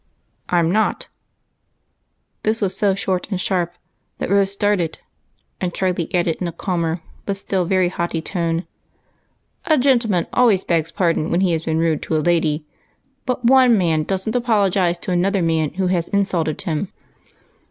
" I 'm not !" this was so short and sharp that Rose started, and Charlie added in a calmer but still very haughty tone :" A gentleman always begs pardon when he has been rude to a lady, but one man does n't apologize to another man who has insulted him."